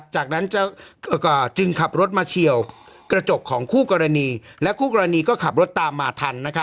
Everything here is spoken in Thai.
จากนั้นจึงขับรถมาเฉียวกระจกของคู่กรณีและคู่กรณีก็ขับรถตามมาทัน